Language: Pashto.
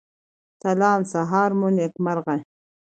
سلام سهار مو نیکمرغه